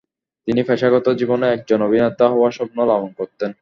তিনি পেশাগত জীবনে একজন অভিনেতা হওয়ার স্বপ্ন লালন করতেন।